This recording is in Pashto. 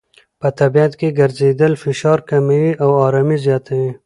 په طبیعت کې ګرځېدل فشار کموي او آرامۍ زیاتوي.